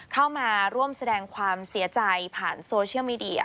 เข้ามาร่วมแสดงความเสียใจผ่านโซเชียลมีเดีย